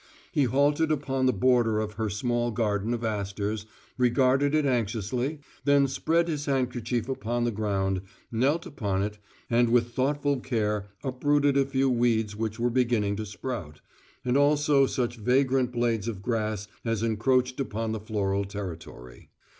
He halted upon the border of her small garden of asters, regarded it anxiously, then spread his handkerchief upon the ground, knelt upon it, and with thoughtful care uprooted a few weeds which were beginning to sprout, and also such vagrant blades of grass as encroached upon the floral territory.